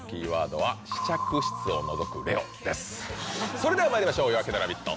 それではまいりましょう「夜明けのラヴィット！」